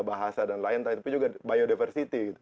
bahasa dan lain lain tapi juga biodiversity